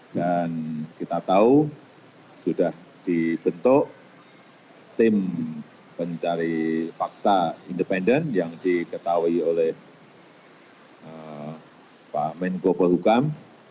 dan kita tahu sudah dibentuk tim pencari fakta independen yang diketahui oleh pak menko pohukam